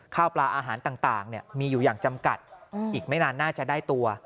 ข้าวปลาอาหารต่างมีอยู่อย่างจำกัดอีกไม่นานน่าจะได้ตัว